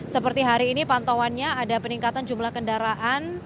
seperti hari ini pantauannya ada peningkatan jumlah kendaraan